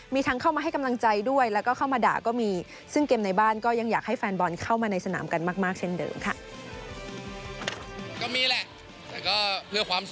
มีทั้งเข้ามาให้กำลังใจด้วยแล้วก็เข้ามาด่าก็มีซึ่งเกมในบ้านก็ยังอยากให้แฟนบอลเข้ามาในสนามกันมากเช่นเดิมค่ะ